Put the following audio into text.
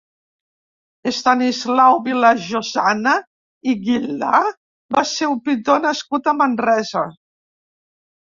Estanislau Vilajosana i Guilà va ser un pintor nascut a Manresa.